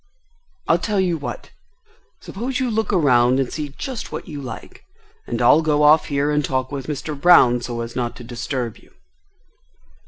"I tell you what!—Suppose you look around and see just what you like, and I'll go off here and talk with Mr. Brown so as not to disturb you."